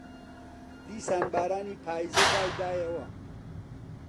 دیسان بارانی پاییزە دایدایەوە